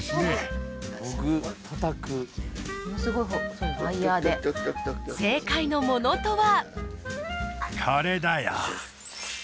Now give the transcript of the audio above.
ものすごい細いワイヤで正解のものとは？